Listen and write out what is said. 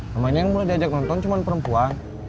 pemain yang boleh diajak nonton cuma perempuan